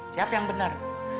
siapa yang benar